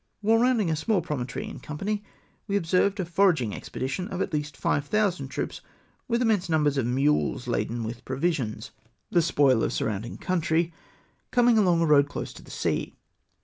Whilst rounding a small promon tory in company, we observed a foraging expedition of at least 5000 troops, with immense numbei^s of mules laden wdth provisions, — the spoil of the surrounding 332 SAIL FOR MIXORCA. country, — coming along a road close to the sea.